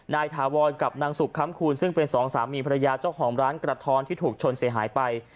ถาวรกับนางสุขค้ำคูณซึ่งเป็นสองสามีภรรยาเจ้าของร้านกระท้อนที่ถูกชนเสียหายไป